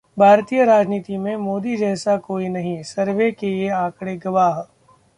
भारतीय राजनीति में मोदी जैसा कोई नहीं, सर्वे के ये आंकड़े गवाह